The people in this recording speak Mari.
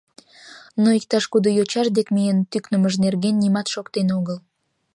Но иктаж-кудо йочаж дек миен тӱкнымыж нерген нимат шоктен огыл.